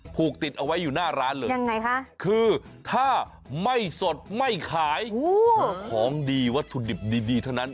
ผูกติดเอาไว้อยู่หน้าร้านเลยยังไงคะคือถ้าไม่สดไม่ขายของดีวัตถุดิบดีเท่านั้น